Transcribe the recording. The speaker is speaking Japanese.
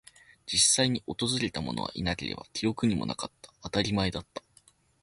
実際に訪れたものはいなければ、記憶にもなかった。当たり前だった。